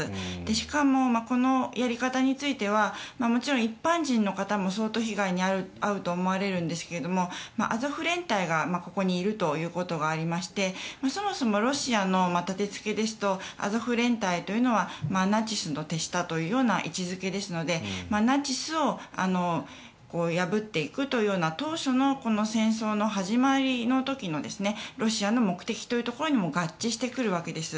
しかも、このやり方についてはもちろん一般人の方も相当被害に遭うと思われるんですがアゾフ連隊がここにいるということがありましてそもそもロシアの建付けですとアゾフ連隊というのはナチスの手下というような位置付けですのでナチスを破っていくという当初の戦争の始まりという時のようなロシアの目的というところにも合致してくるわけです。